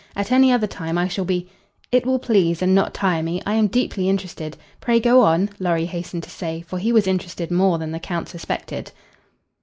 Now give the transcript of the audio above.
At any other time I shall be " "It will please and not tire me. I am deeply interested. Pray go on," Lorry hastened to say, for he was interested more than the Count suspected.